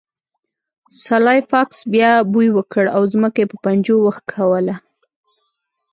سلای فاکس بیا بوی وکړ او ځمکه یې په پنجو وښکوله